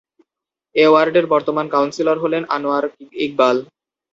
এ ওয়ার্ডের বর্তমান কাউন্সিলর হলেন আনোয়ার ইকবাল।